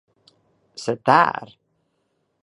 Se där!